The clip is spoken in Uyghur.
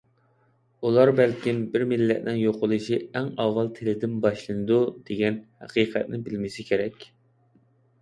ئۇلار بەلكىم «بىر مىللەتنىڭ يوقىلىشى ئەڭ ئاۋۋال تىلىدىن باشلىنىدۇ» دېگەن ھەقىقەتنى بىلمىسە كېرەك!